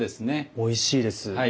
おいしいです。